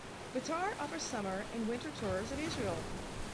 Betar offers summer and winter tours of Israel.